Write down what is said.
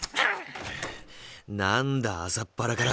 なんだ朝っぱらから。